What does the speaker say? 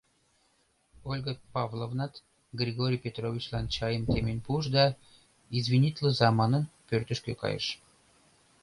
Ольга Павловнат, Григорий Петровичлан чайым темен пуыш да, «извинитлыза» манын, пӧртышкӧ кайыш.